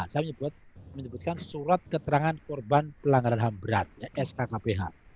saya menyebutkan surat keterangan korban pelanggaran ham berat skkph